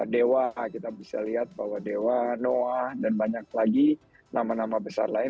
dewa kita bisa lihat bahwa dewa noah dan banyak lagi nama nama besar lain